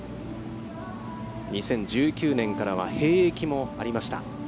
２０１９年からは兵役もありました。